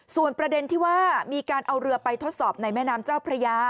ส่วนประเด็นที่ว่ามีการเอาเรือไปทดสอบในแม่น้ำเจ้าพระยา